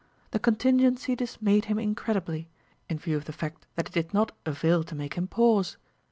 The contingency dismayed him incredibly, in view of the fact that it did not avail to make him pause.